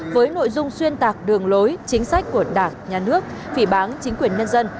với nội dung xuyên tạc đường lối chính sách của đảng nhà nước phỉ bán chính quyền nhân dân